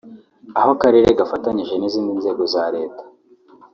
Aho Akarere gafatanyije n’izindi nzego za Leta